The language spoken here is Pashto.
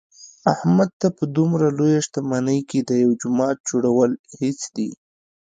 احمد ته په دمره لویه شتمنۍ کې د یوه جومات جوړل هېڅ دي.